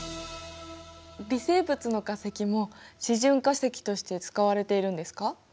微生物の化石も示準化石として使われているんですか？